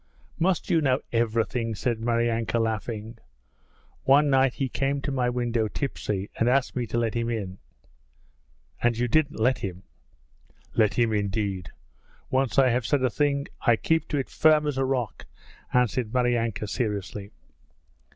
'Must you know everything?' said Maryanka laughing. 'One night he came to my window tipsy, and asked me to let him in.' 'And you didn't let him?' 'Let him, indeed! Once I have said a thing I keep to it firm as a rock,' answered Maryanka seriously.